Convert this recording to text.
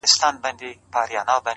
لويه گناه-